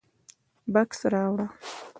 _بکس راوړه.